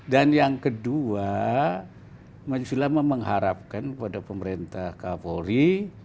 dan yang kedua maju sulamah mengharapkan kepada pemerintah kapolri